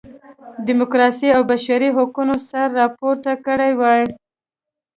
ډیموکراسۍ او بشري حقونو سر راپورته کړی وای.